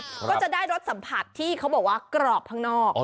ก็จะได้รสสัมผัสที่เขาบอกว่ากรอบข้างนอก